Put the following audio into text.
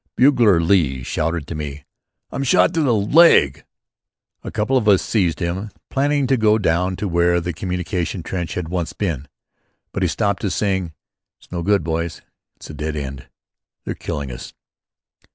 Bugler Lee shouted to me: "I'm shot through the leg." A couple of us seized him, planning to go down to where the communication trench had once been. But he stopped us, saying: "It's no good, boys. It's a dead end! They're killing us."